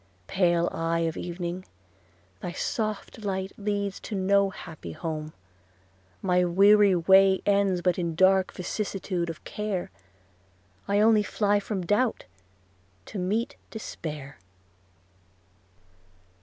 pale eye of evening! thy soft light Leads to no happy home; my weary way Ends but in dark vicissitude of care: I only fly from doubt – to meet despair.